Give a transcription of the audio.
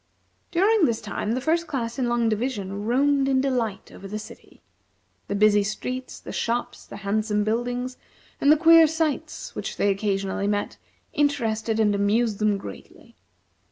During this time the First Class in Long Division roamed, in delight, over the city. The busy streets, the shops, the handsome buildings, and the queer sights which they occasionally met, interested and amused them greatly.